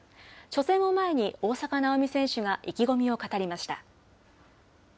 初戦を前に大坂なおみ選手が意気込みを語りました。